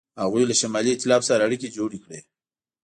هغوی له شمالي ایتلاف سره اړیکې جوړې کړې.